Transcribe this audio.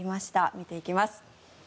見ていきます。